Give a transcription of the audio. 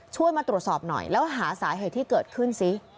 มาตรวจสอบหน่อยแล้วหาสาเหตุที่เกิดขึ้นซิ